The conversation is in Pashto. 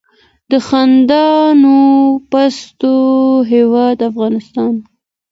د خندانو پستو هیواد افغانستان.